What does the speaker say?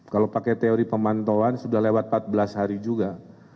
kalau pakai teori pemantauan sudah lewat empat belas hari juga